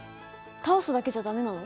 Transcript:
倒すだけじゃ駄目なの？